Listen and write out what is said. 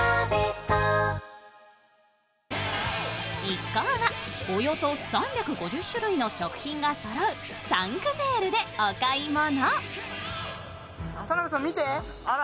一行はおよそ３５０種類の食品がそろうサンクゼールでお買い物。